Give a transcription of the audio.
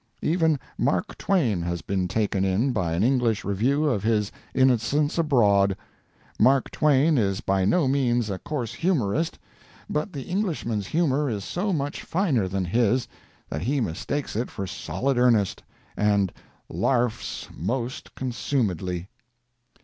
Even Mark Twain has been taken in by an English review of his "Innocents Abroad." Mark Twain is by no means a coarse humorist, but the Englishman's humor is so much finer than his, that he mistakes it for solid earnest, and "larfs most consumedly."